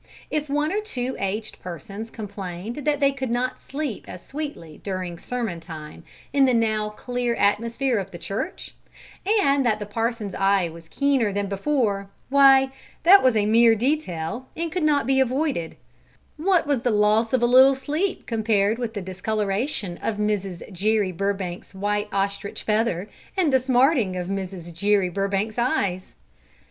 If one or two aged persons complained that they could not sleep as sweetly during sermon time in the now clear atmosphere of the church, and that the parson's eye was keener than before, why, that was a mere detail, and could not be avoided; what was the loss of a little sleep compared with the discoloration of Mrs. Jere Burbank's white ostrich feather and the smarting of Mrs. Jere Burbank's eyes?